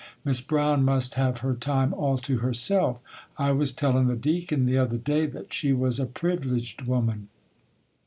Miss Brown must have her time all to herself. I was tellin' the Deacon the other day that she was a privileged woman.